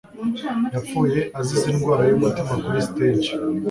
Yapfuye azize indwara y'umutima kuri stage.